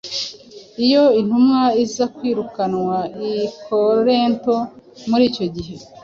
Iyo intumwa iza kwirukanwa i Korinto muri icyo gihe,